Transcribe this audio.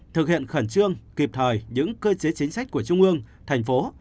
thực hiện khẩn trương kịp thời những cơ chế chính sách của trung ương thành phố